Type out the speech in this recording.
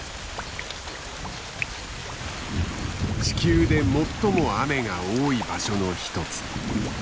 地球で最も雨が多い場所の一つ。